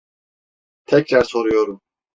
Tekrar soruyorum.